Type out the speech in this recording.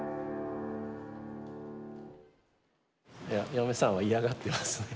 いや嫁さんは嫌がってます。